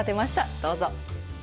どうぞ。